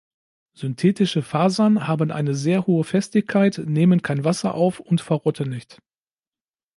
Synthetische Fasern haben eine sehr hohe Festigkeit, nehmen kein Wasser auf und verrotten nicht.